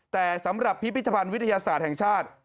แต่สำหรับพิพิธภัณฑ์วิทยาศาสตร์แห่งชาติ